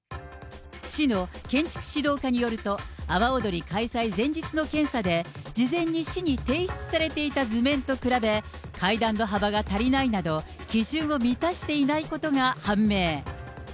市の建築指導課によると、阿波おどり開催前日の検査で、事前に市に提出されていた図面と比べ、階段の幅が足りないなど、基準を満たしていないことが判明。